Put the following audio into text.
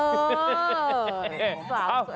เออ